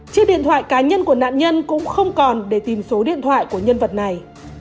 chiếc điện thoại cá nhân của nạn nhân cũng không còn để tìm số điện thoại của nhân vật này